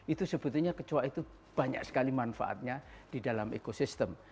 itu sebetulnya kecuali itu banyak sekali manfaatnya di dalam ekosistem